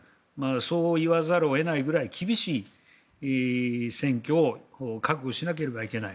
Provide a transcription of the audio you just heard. そう言わざるを得ないぐらい厳しい選挙を覚悟しなければいけない。